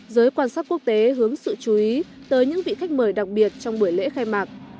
giới quan sát quốc tế hướng sự chú ý tới những vị khách mời đặc biệt trong buổi lễ khai mạc